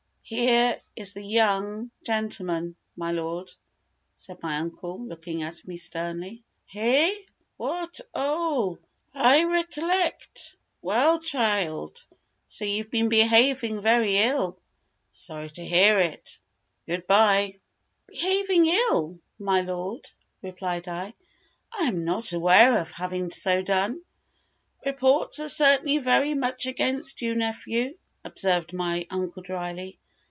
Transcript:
"Here is the young gentleman, my lord," said my uncle, looking at me sternly. "Heh! what oh! I recollect. Well, child, so you've been behaving very ill sorry to hear it. Good bye." "Behaving ill, my lord!" replied I. "I am not aware of having so done." "Reports are certainly very much against you, nephew," observed my uncle dryly.